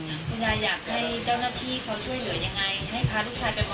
วันนี้ยายคือคนซ่อนคลุมมาอาหารยายอยากให้เจ้าหน้าที่เขาช่วยเหลือยังไง